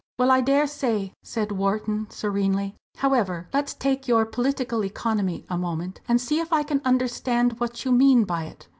"Well, I dare say," said Wharton, serenely. "However, let's take your 'political economy' a moment, and see if I can understand what you mean by it.